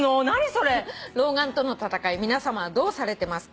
「老眼との闘い皆さまはどうされてますか？」